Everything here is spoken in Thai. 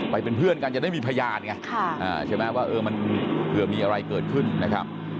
ไปเป็นเพื่อนกันจะได้มีพยานไงใช่ไหมว่ามันเผื่อมีอะไรเกิดขึ้นนะครับ